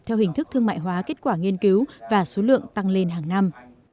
theo hình thức thương mại hóa kết quả nghiên cứu và số lượng tăng lên hàng năm